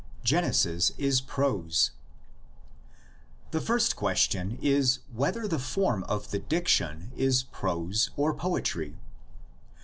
GENESIS IS PROSE. The first question is, whether the form of the dic tion is prose or poetry.